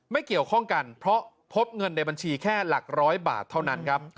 ไม่เกี่ยวข้องกันเพราะพบเงินในบัญชีแค่หลักร้อยบาทเท่านั้นครับ